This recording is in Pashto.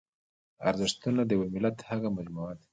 ارزښتونه د یوه ملت هغه مجموعه ده.